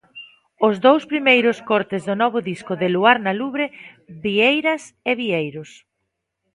Os dous primeiros cortes do novo disco de Luar Na Lubre, Vieiras e vieiros.